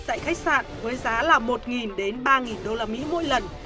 tại khách sạn với giá là một đến ba usd mỗi lần